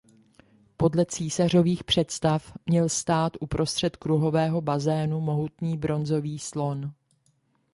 Podle císařových představ měl stát uprostřed kruhového bazénu mohutný bronzový slon.